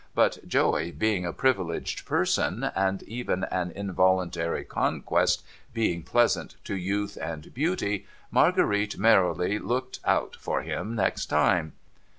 But Joey being a privileged person, and even an involuntary conquest being pleasant to youth and beauty, ALarguerite merrily looked out for him next time.